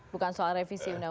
bukan soal revisi undang undang